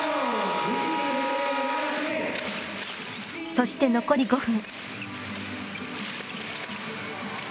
そして残り５分。